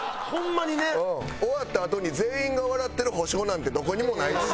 終わったあとに全員が笑ってる保証なんてどこにもないし。